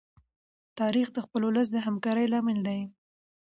تاریخ د خپل ولس د همکارۍ لامل دی.